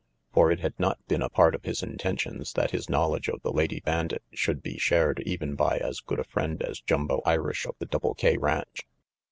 For it had not been a part of his intentions that his knowledge of the lady bandit should be shared even by as good a friend as Jumbo Irish of the Double K ranch.